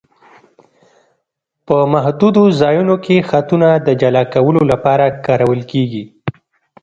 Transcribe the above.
په محدودو ځایونو کې خطونه د جلا کولو لپاره کارول کیږي